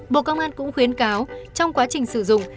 bộ công an cũng khuyến cáo trong quá trình sử dụng